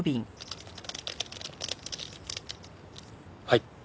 はい。